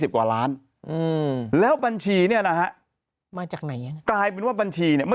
กว่าล้านอืมแล้วบัญชีเนี่ยนะฮะมาจากไหนยังไงกลายเป็นว่าบัญชีเนี่ยไม่